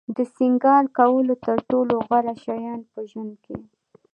د سینگار کولو تر ټولو غوره شیان په ژوند کې.